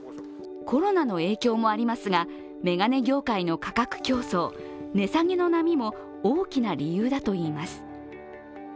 コロナの影響もありますが、眼鏡業界の価格競争、値下げの波も大きな理由だといいます。